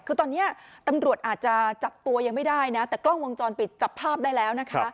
คือตอนนี้ตำรวจอาจจะจับตัวยังไม่ได้นะแต่กล้องวงจรปิดจับภาพได้แล้วนะคะ